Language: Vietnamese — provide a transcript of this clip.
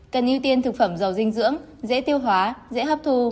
cần ưu tiên thực phẩm giàu dinh dưỡng dễ tiêu hóa dễ hấp thu